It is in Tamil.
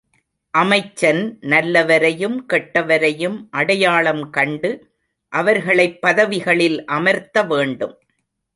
அமைச்சன் நல்லவரையும் கெட்டவரையும் அடையாளம் கண்டு அவர்களைப் பதவிகளில் அமர்த்த வேண்டும்.